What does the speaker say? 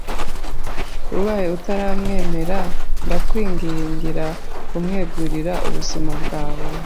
Ubaye utaramwemera ndakwingingira kumwegurira ubuzima bwawe